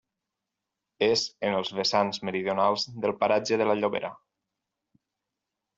És en els vessants meridionals del paratge de la Llobera.